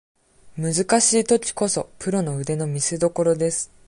むずかしいときこそ、プロの腕の見せ所です。